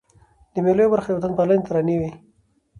د مېلو یوه برخه د وطن پالني ترانې يي.